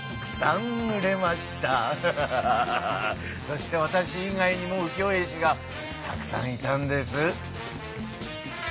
そしてわたし以外にも浮世絵師がたくさんいたんです。